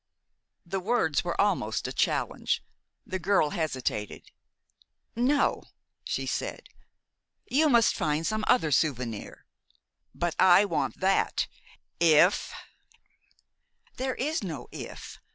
The words were almost a challenge. The girl hesitated. "No," she said. "I must find you some other souvenir." "But I want that if " "There is no 'if.'